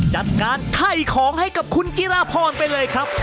จัดการไถ่ของให้กับคุณจิราพรไปเลยครับ